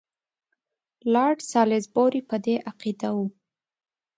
لارډ سالیزبوري په دې عقیده وو.